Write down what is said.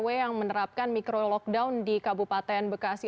iya ada lima belas rt yang menerapkan mikro lockdown di kabupaten bekasi